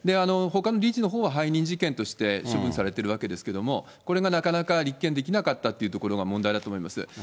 ほかの理事のほうは背任事件として処分されているわけですけれども、これがなかなか立件できなかったというところが問題だと思います。